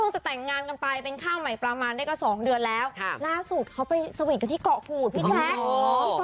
จะแต่งงานกันไปเป็นข้าวใหม่ประมาณได้ก็สองเดือนแล้วล่าสุดเขาไปสวีทกันที่เกาะกูดพี่แจ๊ค